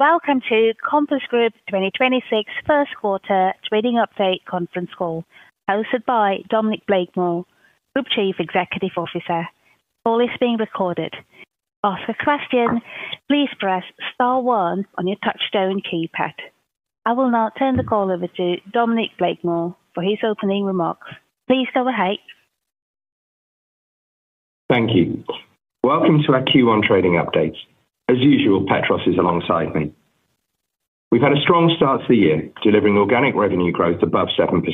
Welcome to Compass Group 2026 first quarter trading update conference call, hosted by Dominic Blakemore, Group Chief Executive Officer. Call is being recorded. Ask a question, please press star one on your touch-tone keypad. I will now turn the call over to Dominic Blakemore for his opening remarks. Please go ahead. Thank you. Welcome to our Q1 trading update. As usual, Petros is alongside me. We've had a strong start to the year, delivering organic revenue growth above 7%.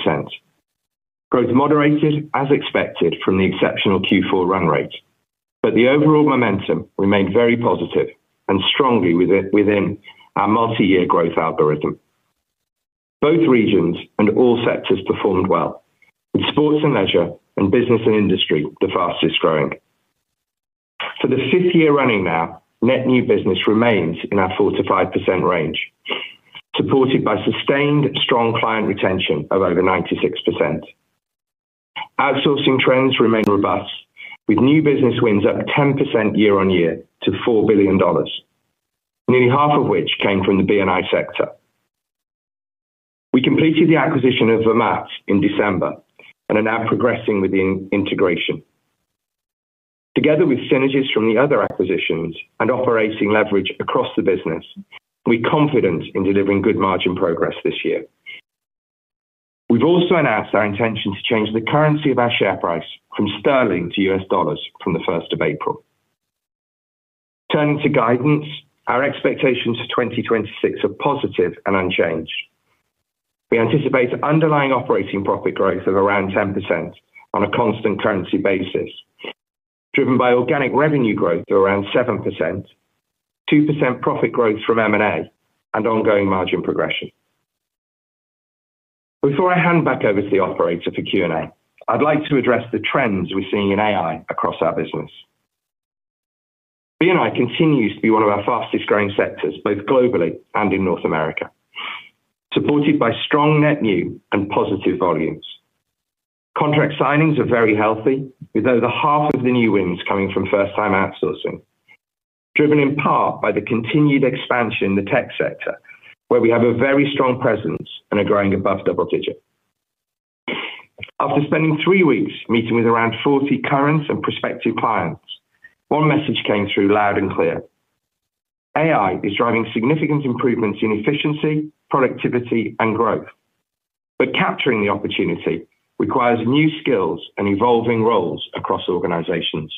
Growth moderated as expected from the exceptional Q4 run rate, but the overall momentum remained very positive and strongly within our multi-year growth algorithm. Both regions and all sectors performed well, with sports and leisure and business and industry the fastest growing. For the fifth year running now, net new business remains in our 4%-5% range, supported by sustained strong client retention of over 96%. Outsourcing trends remain robust, with new business wins up 10% year-on-year to $4 billion, nearly half of which came from the B&I sector. We completed the acquisition of Vermaat in December and are now progressing with the integration. Together with synergies from the other acquisitions and operating leverage across the business, we're confident in delivering good margin progress this year. We've also announced our intention to change the currency of our share price from sterling to U.S. dollars from the first of April. Turning to guidance, our expectations for 2026 are positive and unchanged. We anticipate underlying operating profit growth of around 10% on a constant currency basis, driven by organic revenue growth of around 7%, 2% profit growth from M&A, and ongoing margin progression. Before I hand back over to the operator for Q&A, I'd like to address the trends we're seeing in AI across our business. B&I continues to be one of our fastest growing sectors, both globally and in North America, supported by strong net new and positive volumes. Contract signings are very healthy, with over half of the new wins coming from first-time outsourcing, driven in part by the continued expansion in the tech sector, where we have a very strong presence and are growing above double-digit. After spending 3 weeks meeting with around 40 current and prospective clients, one message came through loud and clear: AI is driving significant improvements in efficiency, productivity, and growth, but capturing the opportunity requires new skills and evolving roles across organizations.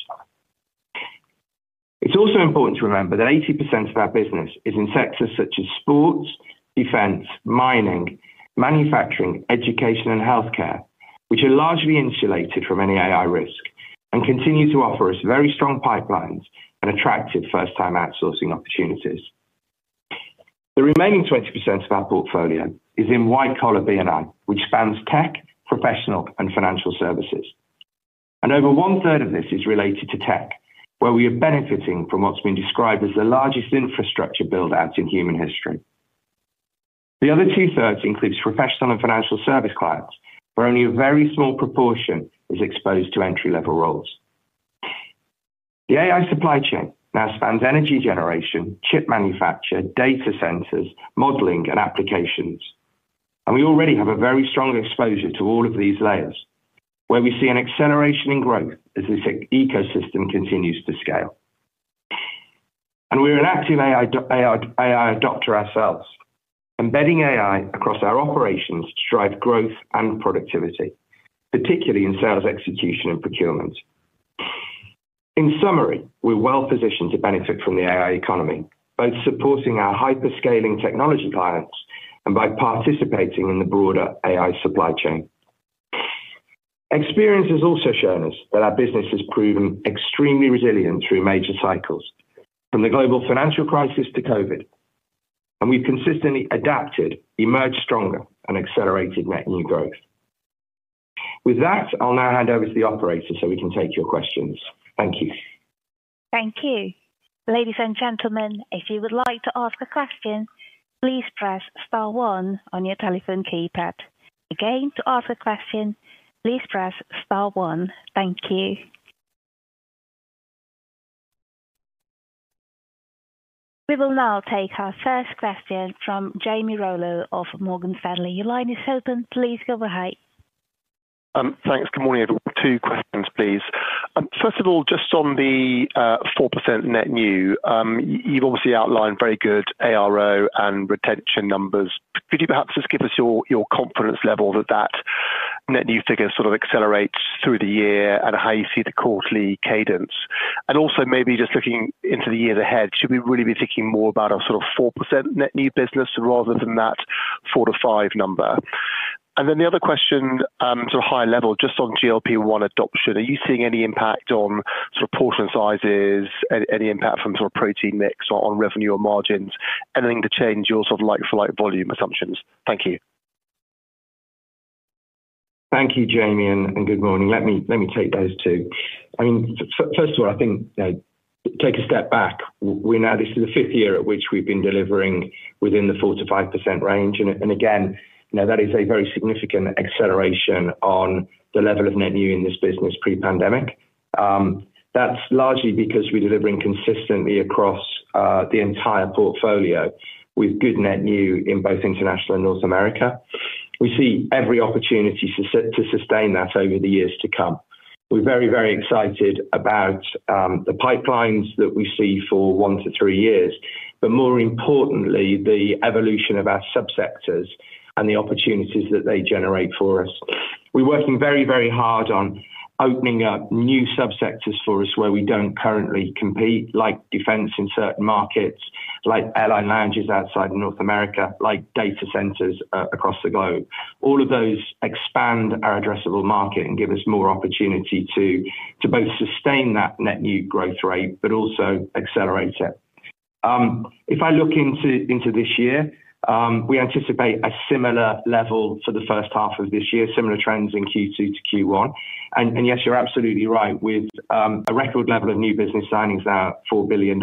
It's also important to remember that 80% of our business is in sectors such as sports, defense, mining, manufacturing, education, and healthcare, which are largely insulated from any AI risk and continue to offer us very strong pipelines and attractive first-time outsourcing opportunities. The remaining 20% of our portfolio is in white-collar B&I, which spans tech, professional, and financial services. Over one-third of this is related to tech, where we are benefiting from what's been described as the largest infrastructure build-out in human history. The other two-thirds includes professional and financial service clients, where only a very small proportion is exposed to entry-level roles. The AI supply chain now spans energy generation, chip manufacture, data centers, modeling, and applications, and we already have a very strong exposure to all of these layers, where we see an acceleration in growth as this ecosystem continues to scale. We're an active AI, AI, AI adopter ourselves, embedding AI across our operations to drive growth and productivity, particularly in sales, execution, and procurement. In summary, we're well positioned to benefit from the AI economy, both supporting our hyperscaler technology clients and by participating in the broader AI supply chain. Experience has also shown us that our business has proven extremely resilient through major cycles, from the global financial crisis to COVID, and we've consistently adapted, emerged stronger, and accelerated net new growth. With that, I'll now hand over to the operator so we can take your questions. Thank you. Thank you. Ladies and gentlemen, if you would like to ask a question, please press star one on your telephone keypad. Again, to ask a question, please press star one. Thank you. We will now take our first question from Jamie Rollo of Morgan Stanley. Your line is open. Please go ahead. Thanks. Good morning, everyone. Two questions, please. First of all, just on the 4% net new, you've obviously outlined very good ARO and retention numbers. Could you perhaps just give us your confidence level that that net new figure sort of accelerates through the year and how you see the quarterly cadence? And also maybe just looking into the year ahead, should we really be thinking more about a sort of 4% net new business rather than that 4%-5% number? And then the other question, sort of high level, just on GLP-1 adoption, are you seeing any impact on sort of portion sizes, any impact from sort of protein mix on revenue or margins, anything to change your sort of like-for-like volume assumptions? Thank you. Thank you, Jamie, and good morning. Let me take those two. I mean, first of all, I think, you know, take a step back. We're now... This is the fifth year at which we've been delivering within the 4%-5% range, and again, you know, that is a very significant acceleration on the level of net new in this business pre-pandemic.... That's largely because we're delivering consistently across the entire portfolio with good net new in both international and North America. We see every opportunity to sustain that over the years to come. We're very, very excited about the pipelines that we see for 1-3 years, but more importantly, the evolution of our subsectors and the opportunities that they generate for us. We're working very, very hard on opening up new subsectors for us where we don't currently compete, like defense in certain markets, like airline lounges outside North America, like data centers across the globe. All of those expand our addressable market and give us more opportunity to both sustain that net new growth rate, but also accelerate it. If I look into this year, we anticipate a similar level for the first half of this year, similar trends in Q2 to Q1. And yes, you're absolutely right. With a record level of new business signings now, $4 billion,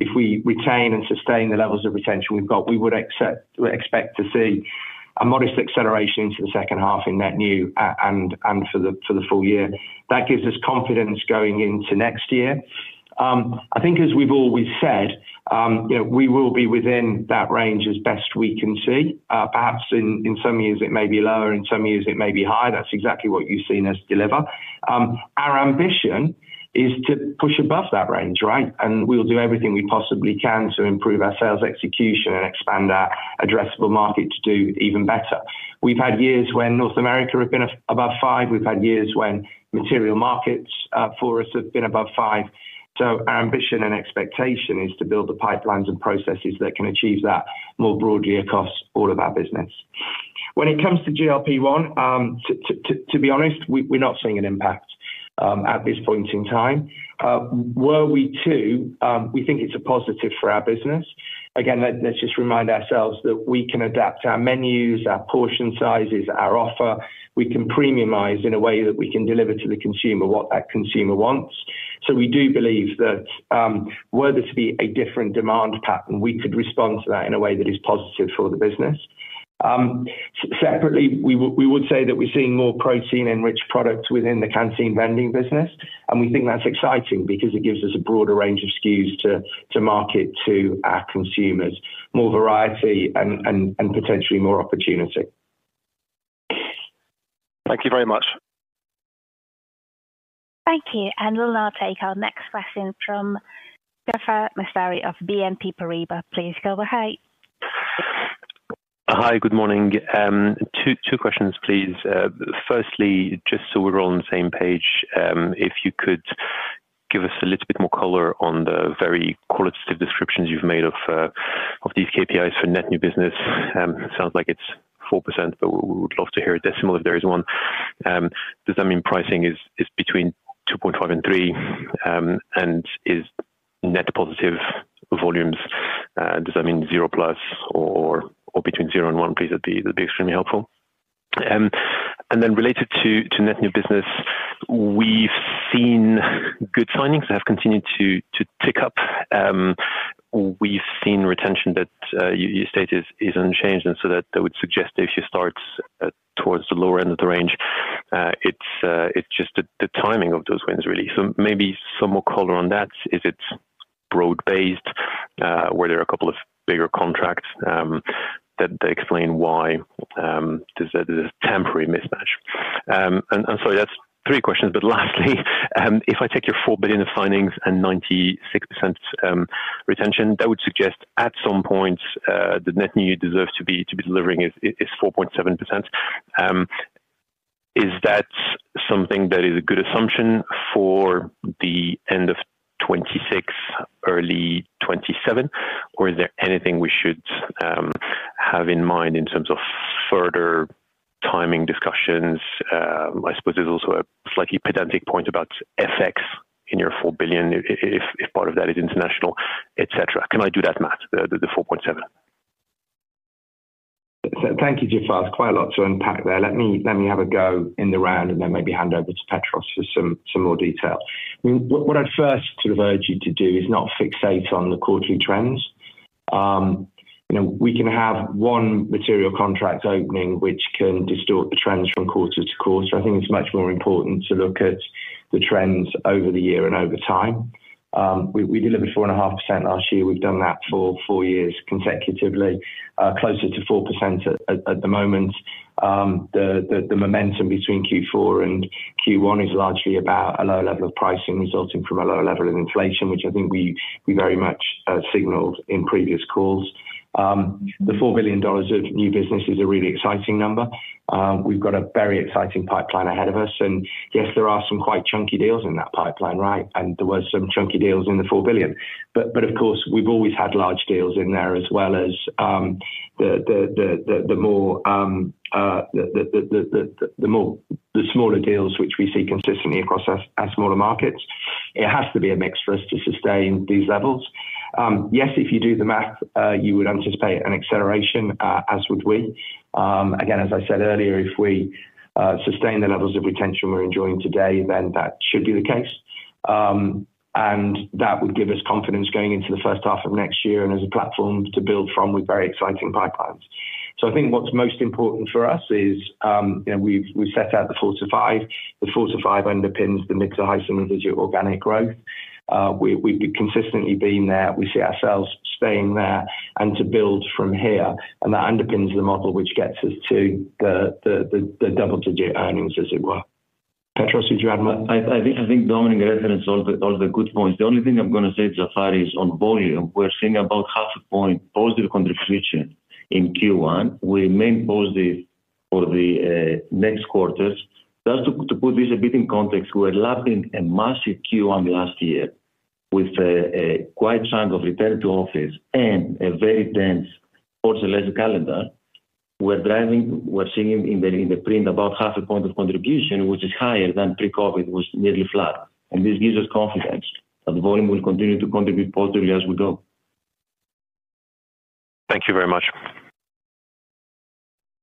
if we retain and sustain the levels of retention we've got, we expect to see a modest acceleration into the second half in net new, and for the full year. That gives us confidence going into next year. I think as we've always said, you know, we will be within that range as best we can see. Perhaps in some years it may be lower, in some years it may be higher. That's exactly what you've seen us deliver. Our ambition is to push above that range, right? We'll do everything we possibly can to improve our sales execution and expand our addressable market to do even better. We've had years when North America have been above five. We've had years when material markets for us have been above five. Our ambition and expectation is to build the pipelines and processes that can achieve that more broadly across all of our business. When it comes to GLP-1, to be honest, we're not seeing an impact at this point in time. Were we to, we think it's a positive for our business. Again, let's just remind ourselves that we can adapt our menus, our portion sizes, our offer. We can premiumize in a way that we can deliver to the consumer what that consumer wants. So we do believe that, were there to be a different demand pattern, we could respond to that in a way that is positive for the business. Separately, we would say that we're seeing more protein-enriched products within the canteen vending business, and we think that's exciting because it gives us a broader range of SKUs to market to our consumers, more variety and potentially more opportunity. Thank you very much. Thank you. We'll now take our next question from Jaafar Mestari of BNP Paribas. Please, Jafar, hi. Hi, good morning. Two questions, please. Firstly, just so we're all on the same page, if you could give us a little bit more color on the very qualitative descriptions you've made of these KPIs for net new business. It sounds like it's 4%, but we would love to hear a decimal if there is one. Does that mean pricing is between 2.5% and 3%? And is net positive volumes, does that mean 0+ or between 0% and 1%, please? That'd be extremely helpful. And then related to net new business, we've seen good signings have continued to tick up. We've seen retention that you stated is unchanged, and so that would suggest that if she starts towards the lower end of the range, it's just the timing of those wins, really. So maybe some more color on that, if it's broad-based, were there a couple of bigger contracts that they explain why there's a temporary mismatch? And so that's three questions. But lastly, if I take your 4 billion of signings and 96% retention, that would suggest at some point the net new deserves to be delivering is 4.7%. Is that something that is a good assumption for the end of 2026, early 2027, or is there anything we should have in mind in terms of further timing discussions? I suppose there's also a slightly pedantic point about FX in your 4 billion, if part of that is international, et cetera. Can I do that math, the 4.7 billion? Thank you, Jaafar. There's quite a lot to unpack there. Let me have a go in the round and then maybe hand over to Petros for some more detail. What I'd first sort of urge you to do is not fixate on the quarterly trends. You know, we can have one material contract opening, which can distort the trends from quarter to quarter. So I think it's much more important to look at the trends over the year and over time. We delivered 4.5% last year. We've done that for four years consecutively, closer to 4% at the moment. The momentum between Q4 and Q1 is largely about a lower level of pricing resulting from a lower level of inflation, which I think we very much signaled in previous calls. The $4 billion of new business is a really exciting number. We've got a very exciting pipeline ahead of us, and yes, there are some quite chunky deals in that pipeline, right? There were some chunky deals in the $4 billion. But of course, we've always had large deals in there, as well as the more... the smaller deals which we see consistently across our smaller markets. It has to be a mix for us to sustain these levels. Yes, if you do the math, you would anticipate an acceleration, as would we. Again, as I said earlier, if we sustain the levels of retention we're enjoying today, then that should be the case. And that would give us confidence going into the first half of next year and as a platform to build from with very exciting pipelines. So I think what's most important for us is, you know, we've, we've set out the 4-5. The 4-5 underpins the mid- to high single-digit organic growth. We, we've consistently been there. We see ourselves staying there and to build from here, and that underpins the model, which gets us to the double-digit earnings, as it were. Petros, did you add more? I think Dominic referenced all the good points. The only thing I'm gonna say, Jaafar, is on volume. We're seeing about half a point positive contribution in Q1. We remain positive for the next quarters. Just to put this a bit in context, we are lapping a massive Q1 last year with a big chunk of return to office and a very dense holiday calendar. We're seeing in the print about half a point of contribution, which is higher than pre-COVID, was nearly flat. And this gives us confidence that the volume will continue to contribute positively as we go. Thank you very much.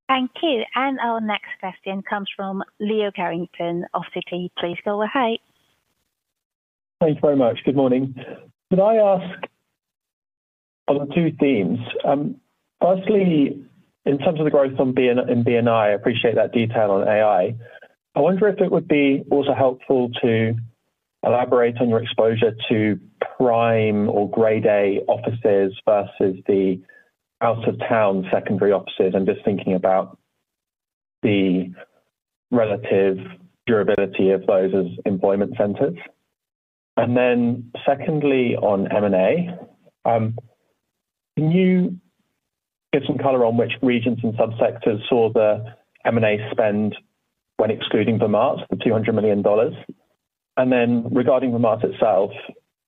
Thank you. Our next question comes from Leo Carrington of Citi. Please go ahead. Thank you very much. Good morning. Could I ask on two themes? Firstly, in terms of the growth in B&I, I appreciate that detail on AI. I wonder if it would be also helpful to elaborate on your exposure to prime or grade A offices versus the out of town secondary offices. I'm just thinking about the relative durability of those as employment centers. And then secondly, on M&A, can you give some color on which regions and subsectors saw the M&A spend when excluding Vermaat, the $200 million? And then regarding Vermaat itself,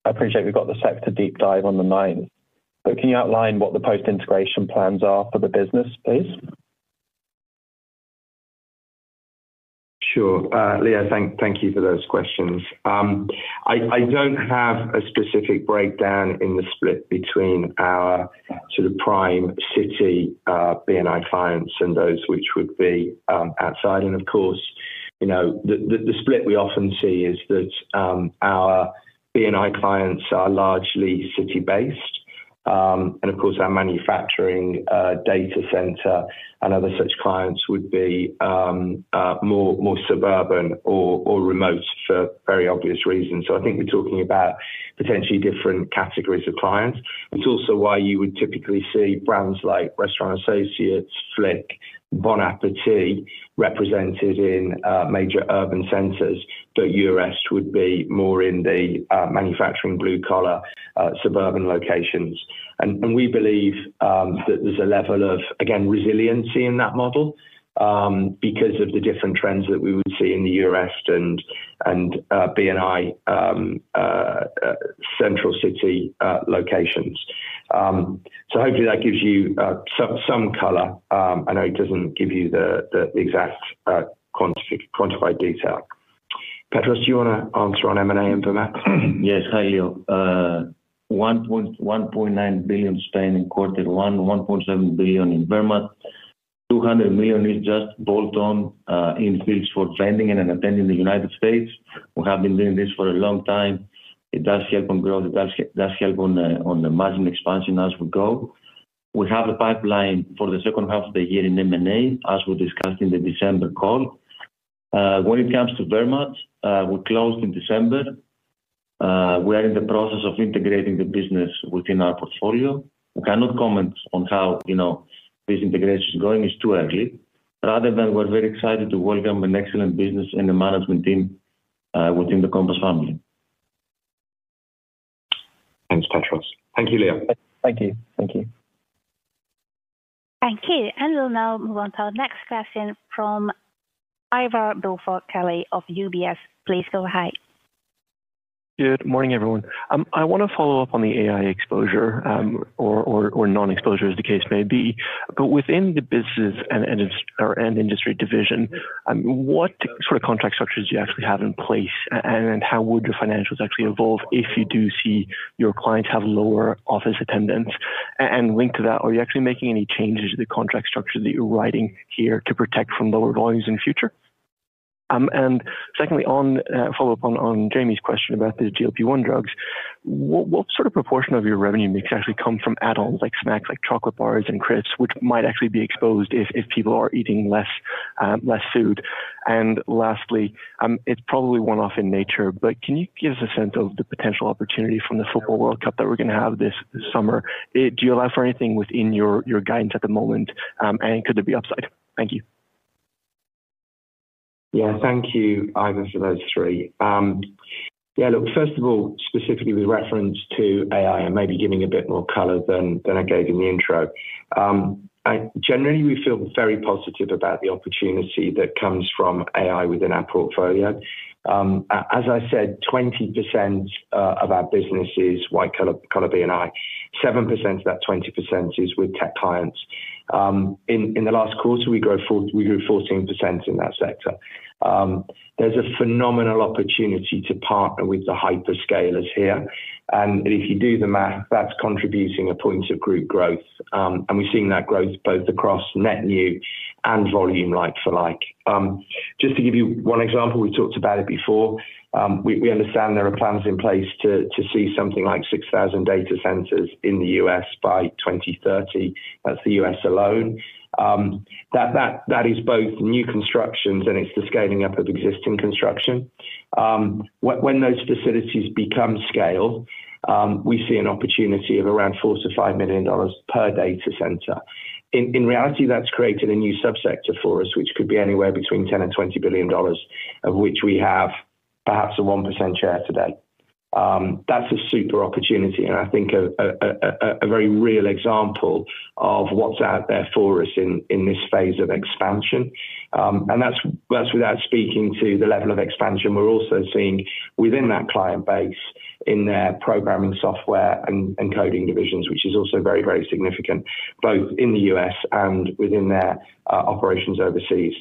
I appreciate we've got the sector deep dive on the ninth, but can you outline what the post-integration plans are for the business, please? Sure. Leo, thank you for those questions. I don't have a specific breakdown in the split between our sort of prime city B&I clients and those which would be outside. And of course, you know, the split we often see is that our B&I clients are largely city-based. And of course, our manufacturing data center and other such clients would be more suburban or remote for very obvious reasons. So I think we're talking about potentially different categories of clients. It's also why you would typically see brands like Restaurant Associates, Flik, Bon Appétit, represented in major urban centers, but Eurest would be more in the manufacturing, blue-collar suburban locations. We believe that there's a level of, again, resiliency in that model, because of the different trends that we would see in the Eurest and B&I, central city locations. So hopefully that gives you some color. I know it doesn't give you the exact quantified detail. Petros, do you want to answer on M&A and Vermaat? Yes. Hi, Leo. $1.9 billion spend in quarter one, $1.7 billion in Vermaat. $200 million is just bolt-on, in-fills for vending and unattended the United States. We have been doing this for a long time. It does help on growth, it does, does help on the, on the margin expansion as we go. We have a pipeline for the second half of the year in M&A, as we discussed in the December call. When it comes to Vermaat, we closed in December. We are in the process of integrating the business within our portfolio. We cannot comment on how, you know, this integration is going. It's too early. Rather than, we're very excited to welcome an excellent business and a management team, within the Compass family. Thanks, Petros. Thank you, Leo. Thank you. Thank you. Thank you. We'll now move on to our next question from Ivar Billfalk-Kelly of UBS. Please go ahead. Good morning, everyone. I want to follow up on the AI exposure, or non-exposure, as the case may be. But within the business and industry division, what sort of contract structures do you actually have in place, and how would your financials actually evolve if you do see your clients have lower office attendance? And linked to that, are you actually making any changes to the contract structure that you're writing here to protect from lower volumes in the future? And secondly, on follow-up on Jamie's question about the GLP-1 drugs, what sort of proportion of your revenue mix actually come from add-ons, like snacks, like chocolate bars and crisps, which might actually be exposed if people are eating less food? And lastly, it's probably one-off in nature, but can you give us a sense of the potential opportunity from the Football World Cup that we're going to have this summer? Do you allow for anything within your, your guidance at the moment, and could there be upside? Thank you. Yeah. Thank you, Ivar, for those three. Yeah, look, first of all, specifically with reference to AI, I may be giving a bit more color than I gave in the intro. Generally, we feel very positive about the opportunity that comes from AI within our portfolio. As I said, 20% of our business is white-collar B&I. 7% of that 20% is with tech clients. In the last quarter, we grew 14% in that sector. There's a phenomenal opportunity to partner with the hyperscalers here, and if you do the math, that's contributing a point of group growth. And we've seen that growth both across net new and volume like for like. Just to give you one example, we talked about it before, we understand there are plans in place to see something like 6,000 data centers in the U.S. by 2030. That's the U.S. alone. That is both new constructions and it's the scaling up of existing construction. When those facilities become scaled, we see an opportunity of around $4 million-$5 million per data center. In reality, that's created a new subsector for us, which could be anywhere between $10 billion and $20 billion, of which we have perhaps a 1% share today. That's a super opportunity, and I think a very real example of what's out there for us in this phase of expansion. And that's without speaking to the level of expansion we're also seeing within that client base in their programming software and coding divisions, which is also very, very significant, both in the U.S. and within their operations overseas.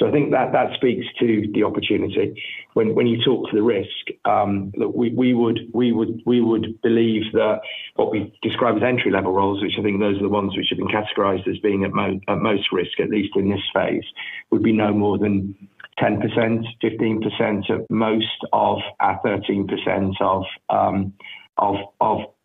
So I think that speaks to the opportunity. When you talk to the risk, look, we would believe that what we describe as entry-level roles, which I think those are the ones which have been categorized as being at most risk, at least in this phase, would be no more than 10%, 15% at most of our 13% of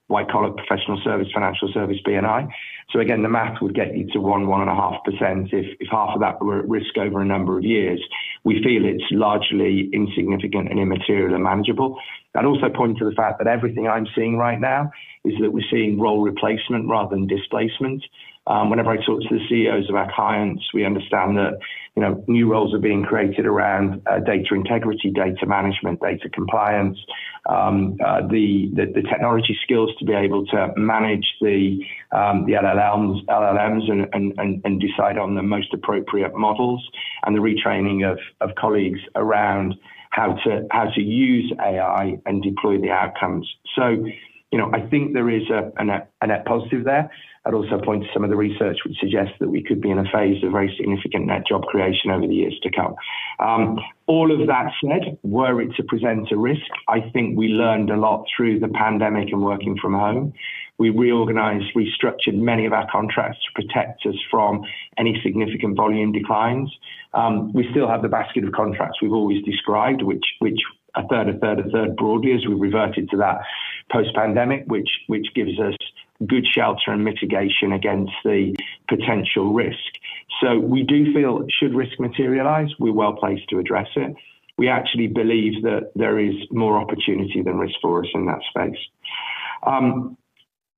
what I call it professional service, financial service, B&I. So again, the math would get you to 1%-1.5%, if half of that were at risk over a number of years. We feel it's largely insignificant and immaterial and manageable. I'd also point to the fact that everything I'm seeing right now is that we're seeing role replacement rather than displacement. Whenever I talk to the CEOs of our clients, we understand that, you know, new roles are being created around data integrity, data management, data compliance, the technology skills to be able to manage the LLMs and decide on the most appropriate models, and the retraining of colleagues around how to use AI and deploy the outcomes. So, you know, I think there is a net positive there. I'd also point to some of the research which suggests that we could be in a phase of very significant net job creation over the years to come. All of that said, were it to present a risk, I think we learned a lot through the pandemic and working from home. We reorganized, restructured many of our contracts to protect us from any significant volume declines. We still have the basket of contracts we've always described, which a third, a third, a third broadly, as we reverted to that post-pandemic, which gives us good shelter and mitigation against the potential risk. So we do feel, should risk materialize, we're well placed to address it. We actually believe that there is more opportunity than risk for us in that space.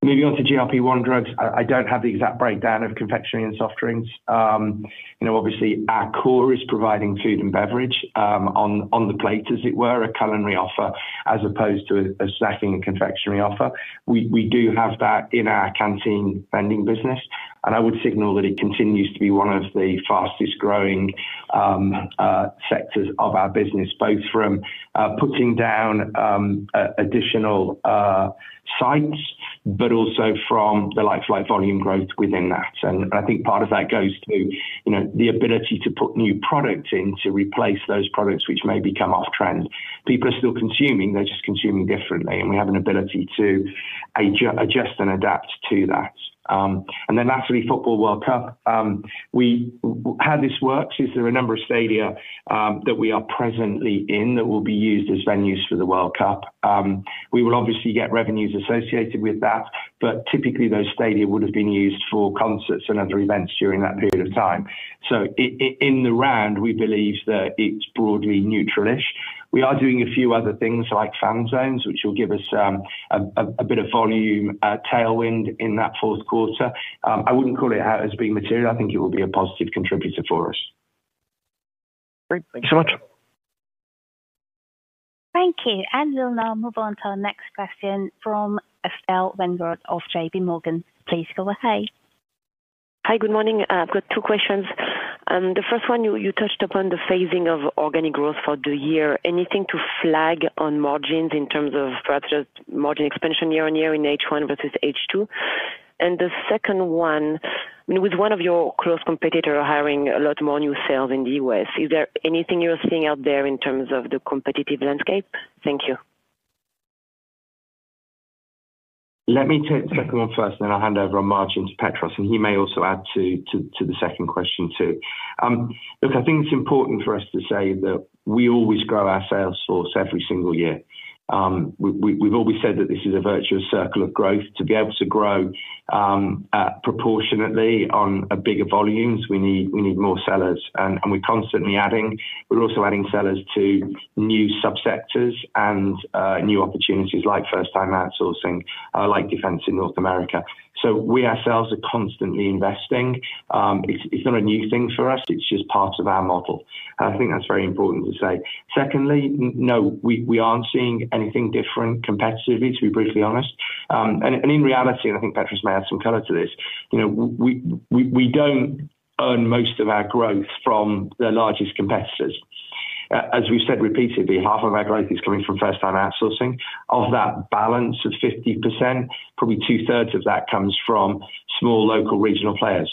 Moving on to GLP-1 drugs, I don't have the exact breakdown of confectionery and soft drinks. You know, obviously, our core is providing food and beverage on the plate, as it were, a culinary offer, as opposed to a snacking and confectionery offer. We do have that in our canteen vending business, and I would signal that it continues to be one of the fastest growing sectors of our business, both from putting down additional sites, but also from the like-for-like volume growth within that. And I think part of that goes to, you know, the ability to put new products in to replace those products which may become off trend. People are still consuming, they're just consuming differently, and we have an ability to adjust and adapt to that. And then lastly, Football World Cup. How this works is there are a number of stadia that we are presently in, that will be used as venues for the World Cup. We will obviously get revenues associated with that, but typically, those stadia would have been used for concerts and other events during that period of time. So, in the round, we believe that it's broadly neutralish. We are doing a few other things like fan zones, which will give us a bit of volume tailwind in that fourth quarter. I wouldn't call it out as being material. I think it will be a positive contributor for us. Great. Thank you so much. Thank you. We'll now move on to our next question from Estelle Weingrod of JPMorgan. Please go ahead. Hi, good morning. I've got two questions. The first one, you touched upon the phasing of organic growth for the year. Anything to flag on margins in terms of perhaps just margin expansion year-over-year in H1 versus H2? And the second one, with one of your close competitor hiring a lot more new sales in the U.S., is there anything you're seeing out there in terms of the competitive landscape? Thank you. Let me take the second one first, and then I'll hand over on margin to Petros, and he may also add to the second question, too. Look, I think it's important for us to say that we always grow our sales force every single year. We, we've always said that this is a virtuous circle of growth. To be able to grow proportionately on a bigger volumes, we need more sellers, and we're constantly adding. We're also adding sellers to new subsectors and new opportunities like first-time outsourcing, like defense in North America. So we ourselves are constantly investing. It's not a new thing for us, it's just part of our model, and I think that's very important to say. Secondly, no, we aren't seeing anything different competitively, to be briefly honest. And in reality, and I think Petros may add some color to this, you know, we don't earn most of our growth from the largest competitors. As we've said repeatedly, half of our growth is coming from first-time outsourcing. Of that balance of 50%, probably two-thirds of that comes from small, local, regional players.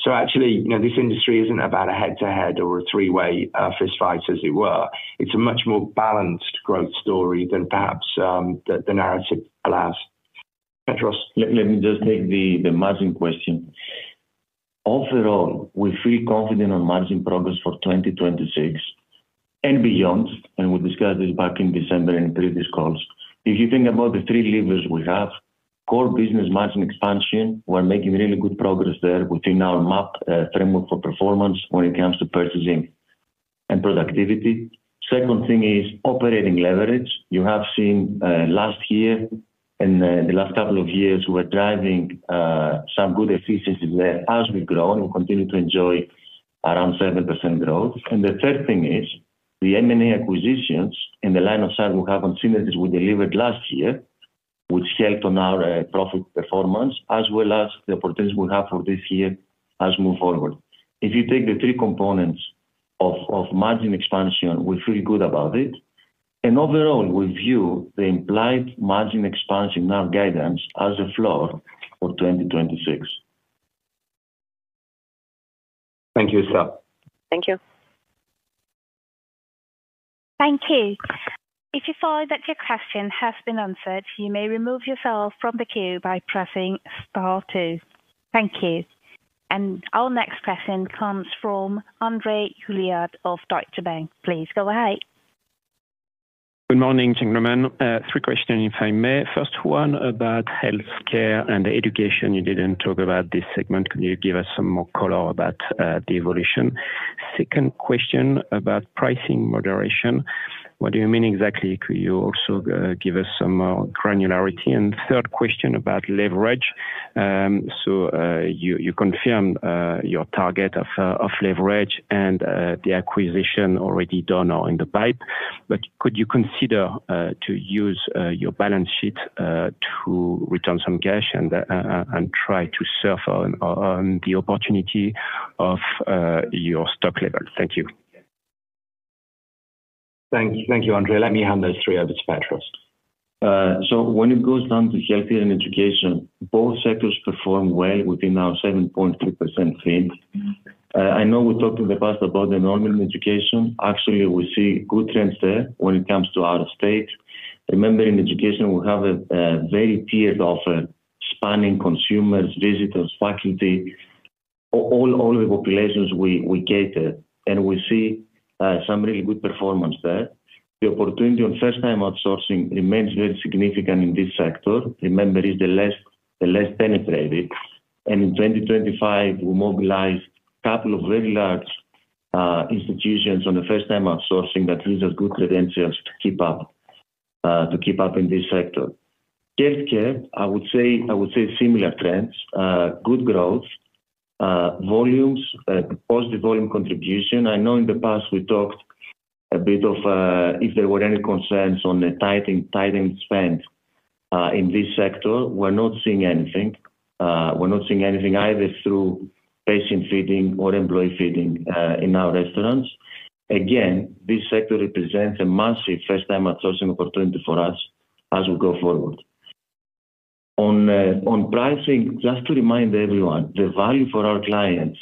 So actually, you know, this industry isn't about a head-to-head or a three-way, fistfight, as it were. It's a much more balanced growth story than perhaps, the narrative allows. Petros, let me just take the margin question. Overall, we feel confident on margin progress for 2026 and beyond, and we discussed this back in December in previous calls. If you think about the three levers we have, core business margin expansion, we're making really good progress there within our MAP framework for performance when it comes to purchasing and productivity. Second thing is operating leverage. You have seen last year and the last couple of years, we're driving some good efficiency there. As we grow, we continue to enjoy around 7% growth. And the third thing is, the M&A acquisitions in the line of sight, we have synergies we delivered last year, which helped on our profit performance, as well as the opportunities we have for this year as move forward. If you take the three components of margin expansion, we feel good about it, and overall, we view the implied margin expansion, our guidance, as a floor for 2026. Thank you, sir. Thank you. Thank you. If you find that your question has been answered, you may remove yourself from the queue by pressing star two. Thank you. Our next question comes from André Juillard of Deutsche Bank. Please go ahead. Good morning, gentlemen. Three questions, if I may. First one about healthcare and education. You didn't talk about this segment. Can you give us some more color about the evolution? Second question, about pricing moderation. What do you mean exactly? Could you also give us some granularity? And third question about leverage. So, you confirmed your target of leverage and the acquisition already done or in the pipe. But could you consider to use your balance sheet to return some cash and try to surf on the opportunity of your stock level? Thank you. Thank you. Thank you, André. Let me handle those three. I'll just trust. So when it goes down to healthcare and education, both sectors perform well within our 7.2% range. I know we talked in the past about the normal in education. Actually, we see good trends there when it comes to out-of-state. Remember, in education, we have a very tiered offer, spanning consumers, visitors, faculty, all the populations we cater, and we see some really good performance there. The opportunity on first-time outsourcing remains very significant in this sector. Remember, it's the less penetrated, and in 2025, we mobilized a couple of very large institutions on the first time outsourcing that gives us good credentials to keep up in this sector. Healthcare, I would say, I would say similar trends, good growth, volumes, positive volume contribution. I know in the past we talked a bit of, if there were any concerns on the tightening, tightening spend, in this sector. We're not seeing anything. We're not seeing anything either through patient feeding or employee feeding, in our restaurants. Again, this sector represents a massive first-time outsourcing opportunity for us as we go forward. On, on pricing, just to remind everyone, the value for our clients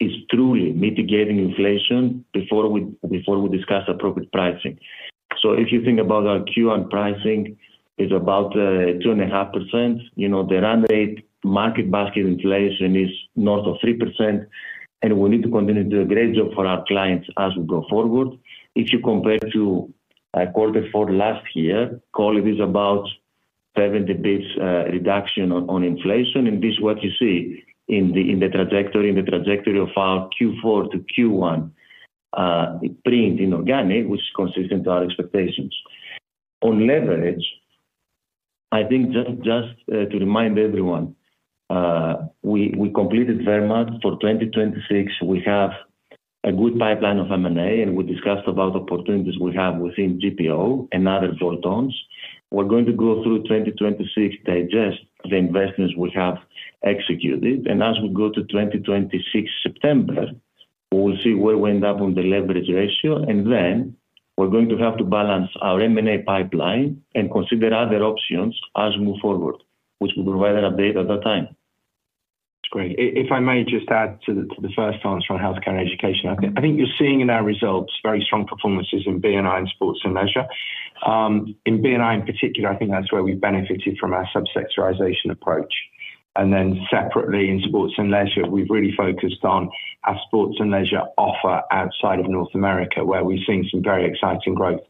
is truly mitigating inflation before we, before we discuss appropriate pricing. So if you think about our Q1, pricing is about, two and a half percent. You know, the run rate, market basket inflation is north of three percent, and we need to continue to do a great job for our clients as we go forward. If you compare to quarter four last year, quality is about 70 basis points reduction on inflation, and this is what you see in the trajectory of our Q4 to Q1 print in organic, which is consistent to our expectations. On leverage, I think just to remind everyone, we completed very much for 2026. We have a good pipeline of M&A, and we discussed about the opportunities we have within GPO and other add-ons. We're going to go through 2026, digest the investments we have executed, and as we go to September 2026, we will see where we end up on the leverage ratio, and then we're going to have to balance our M&A pipeline and consider other options as we move forward, which we'll provide an update at that time. That's great. If I may just add to the first answer on healthcare and education, I think, I think you're seeing in our results very strong performances in B&I and sports and leisure. In B&I in particular, I think that's where we've benefited from our sub-sectorization approach. And then separately in sports and leisure, we've really focused on our sports and leisure offer outside of North America, where we've seen some very exciting growth.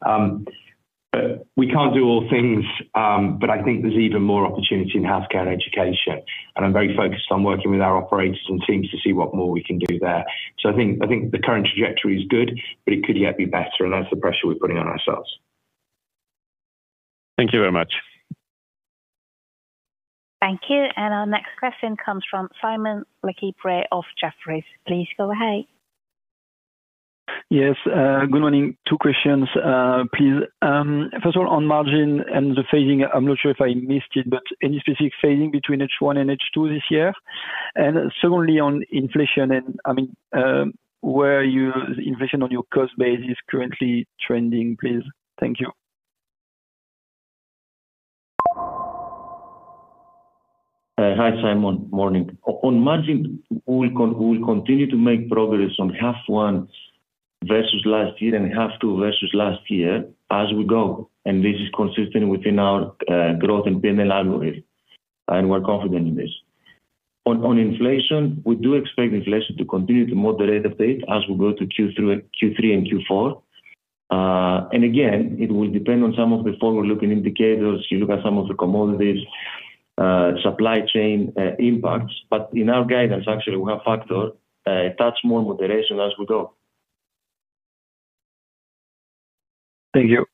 But we can't do all things, but I think there's even more opportunity in healthcare and education, and I'm very focused on working with our operators and teams to see what more we can do there. So I think, I think the current trajectory is good, but it could yet be better, and that's the pressure we're putting on ourselves. Thank you very much. Thank you, and our next question comes from Simon Lechipre of Jefferies. Please go ahead. Yes, good morning. Two questions, please. First of all, on margin and the phasing, I'm not sure if I missed it, but any specific phasing between H1 and H2 this year? And secondly, on inflation, and I mean, where your inflation on your cost base is currently trending, please. Thank you. Hi, Simon. Morning. On margin, we will continue to make progress on half one versus last year and half two versus last year as we go, and this is consistent within our growth and P&L algorithm, and we're confident in this. On inflation, we do expect inflation to continue to moderate a bit as we go to Q3 and Q4. And again, it will depend on some of the forward-looking indicators. You look at some of the commodities, supply chain impacts. But in our guidance, actually, we have factored a touch more moderation as we go. Thank you.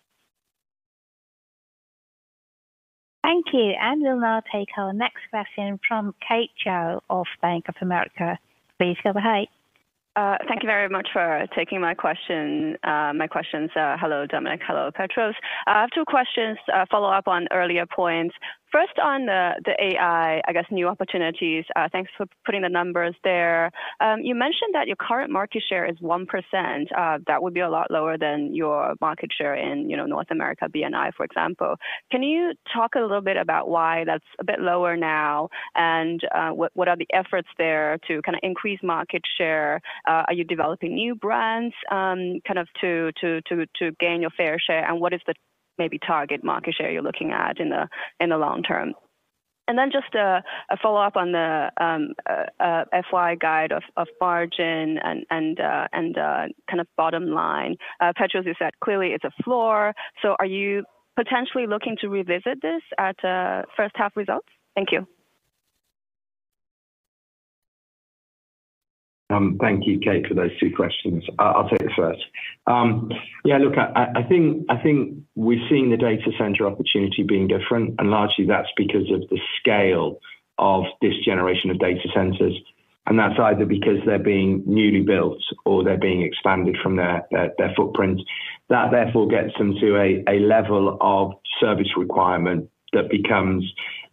Thank you, and we'll now take our next question from Kate Xiao of Bank of America. Please go ahead. Thank you very much for taking my question, my questions. Hello, Dominic. Hello, Petros. I have two questions, follow up on earlier points. First, on the AI, I guess, new opportunities. Thanks for putting the numbers there. You mentioned that your current market share is 1%. That would be a lot lower than your market share in, you know, North America, B&I, for example. Can you talk a little bit about why that's a bit lower now, and what are the efforts there to kinda increase market share? Are you developing new brands, kind of, to gain your fair share, and what is the maybe target market share you're looking at in the long term? Just a follow-up on the FY guide of margin and kind of bottom line. Petros, you said clearly it's a floor, so are you potentially looking to revisit this at first half results? Thank you. Thank you, Kate, for those two questions. I'll take the first. I think we've seen the data center opportunity being different, and largely that's because of the scale of this generation of data centers. That's either because they're being newly built or they're being expanded from their footprint. That therefore gets them to a level of service requirement that becomes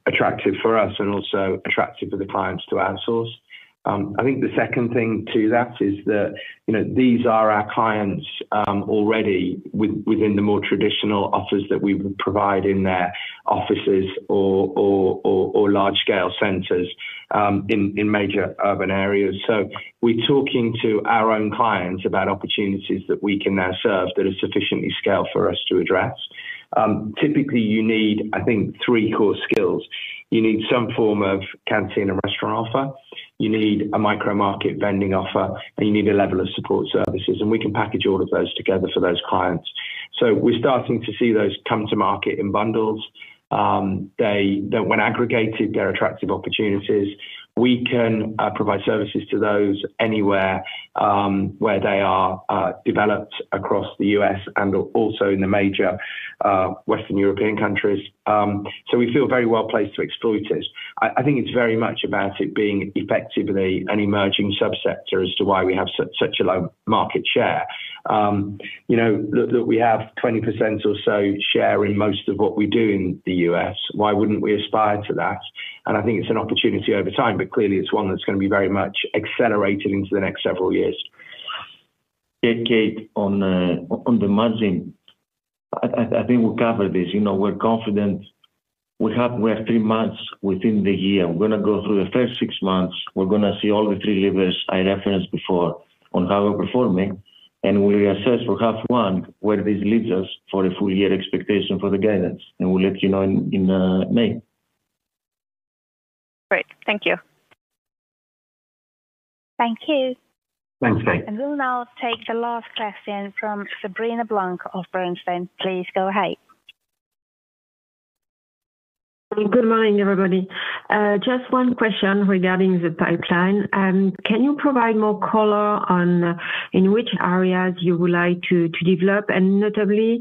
attractive for us and also attractive for the clients to outsource. I think the second thing to that is that, you know, these are our clients, already within the more traditional offers that we would provide in their offices or large scale centers, in major urban areas. So we're talking to our own clients about opportunities that we can now serve that are sufficiently scaled for us to address. Typically, you need, I think, three core skills. You need some form of canteen and restaurant offer, you need a micromarket vending offer, and you need a level of support services, and we can package all of those together for those clients. So we're starting to see those come to market in bundles. When aggregated, they're attractive opportunities. We can provide services to those anywhere where they are developed across the U.S. and also in the major Western European countries. So we feel very well placed to exploit it. I, I think it's very much about it being effectively an emerging subsector as to why we have such, such a low market share. You know, look, we have 20% or so share in most of what we do in the U.S. Why wouldn't we aspire to that? I think it's an opportunity over time, but clearly it's one that's gonna be very much accelerated into the next several years. Yeah, Kate, on the margin, I think we covered this. You know, we're confident. We have three months within the year. We're gonna go through the first six months. We're gonna see all the three levers I referenced before on how we're performing, and we'll assess for half one where this leads us for a full year expectation for the guidance, and we'll let you know in May. Great. Thank you. Thank you. Thanks, Kate. We'll now take the last question from Sabrina Blanc of Bernstein. Please go ahead. Good morning, everybody. Just one question regarding the pipeline. Can you provide more color on in which areas you would like to develop, and notably,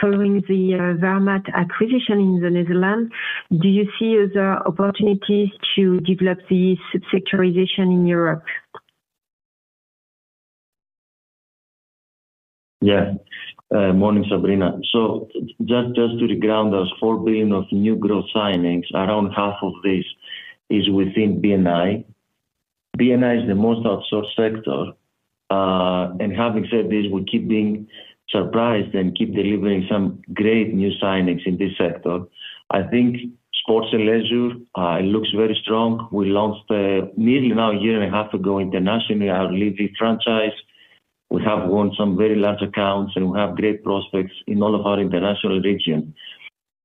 following the Vermaat acquisition in the Netherlands, do you see other opportunities to develop the sub-sectorization in Europe? Yeah. Morning, Sabrina. So just, just to the ground, those 4 billion of new growth signings, around half of this is within B&I. B&I is the most outsourced sector, and having said this, we keep being surprised and keep delivering some great new signings in this sector. I think sports and leisure, it looks very strong. We launched nearly now a year and a half ago internationally, our Levy franchise. We have won some very large accounts, and we have great prospects in all of our international regions.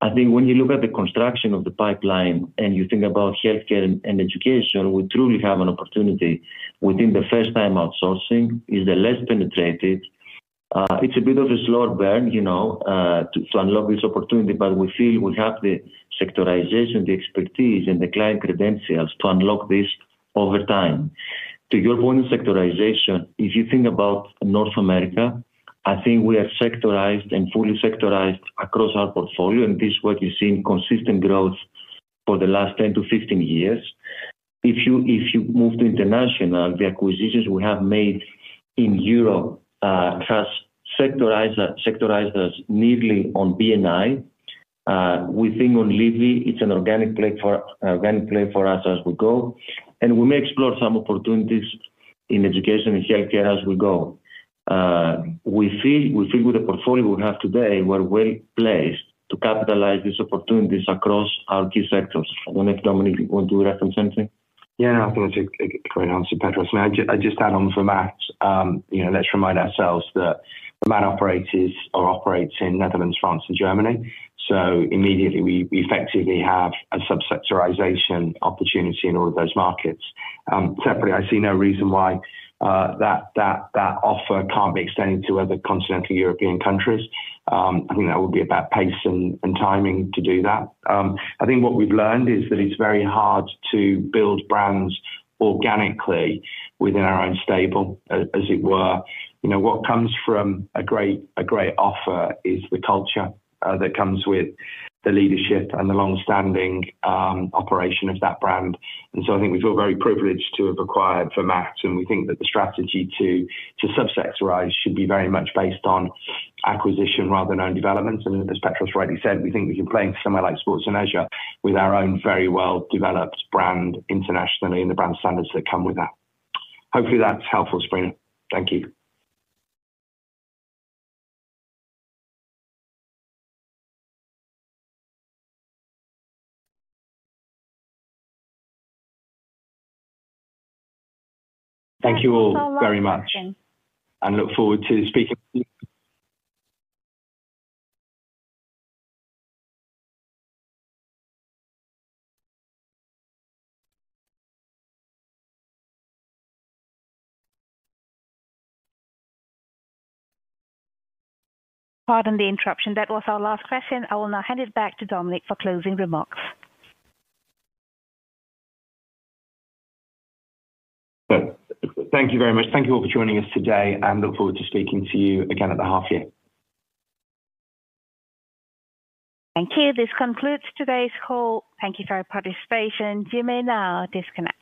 I think when you look at the construction of the pipeline and you think about healthcare and education, we truly have an opportunity within the first-time outsourcing, is the less penetrated. It's a bit of a slow burn, you know, to unlock this opportunity, but we feel we have the sectorization, the expertise and the client credentials to unlock this over time. To your point on sectorization, if you think about North America, I think we are sectorized and fully sectorized across our portfolio, and this is what you see in consistent growth for the last 10-15 years. If you move to international, the acquisitions we have made in Europe has sectorized us neatly on B&I. We think on Levy, it's an organic play for organic play for us as we go, and we may explore some opportunities in education and healthcare as we go. We feel with the portfolio we have today, we're well placed to capitalize these opportunities across our key sectors. I don't know if Dominic want to reference anything? Yeah, I think it's a great answer, Petros. May I just add on Vermaat. You know, let's remind ourselves that Vermaat operates in Netherlands, France, and Germany. So immediately we effectively have a sub-sectorization opportunity in all of those markets. Separately, I see no reason why that offer can't be extended to other continental European countries. I think that would be about pace and timing to do that. I think what we've learned is that it's very hard to build brands organically within our own stable, as it were. You know, what comes from a great offer is the culture that comes with the leadership and the long-standing operation of that brand. And so I think we feel very privileged to have acquired Vermaat, and we think that the strategy to sub-sectorize should be very much based on acquisition rather than own development. And as Petros rightly said, we think we can play in somewhere like sports and leisure with our own very well-developed brand internationally and the brand standards that come with that. Hopefully, that's helpful, Sabrina. Thank you. Thank you all very much. That was our last question. Look forward to speaking with you. Pardon the interruption. That was our last question. I will now hand it back to Dominic for closing remarks. Thank you very much. Thank you all for joining us today, and look forward to speaking to you again at the half year. Thank you. This concludes today's call. Thank you for your participation. You may now disconnect.